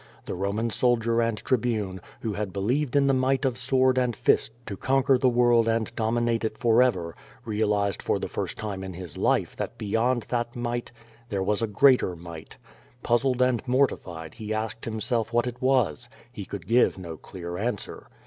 The Roman soldier and Tri bune, who had believed in the might of sword and fist to conquer the world and dominate it forever, realized for the first time in his life that beyond that might there was »i greater might. Puzzled and mortified he asked himself what it was. He could give no clear answer.